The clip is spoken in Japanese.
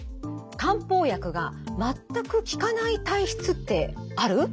「漢方薬が全く効かない体質ってある？」。